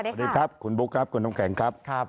สวัสดีครับคุณบุ๊คครับคุณน้ำแข็งครับ